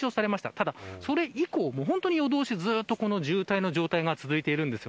ただ、それ以降も夜通しずっと渋滞の状態が続いています。